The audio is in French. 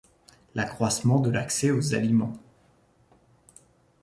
l’accroissement de l’accès aux aliments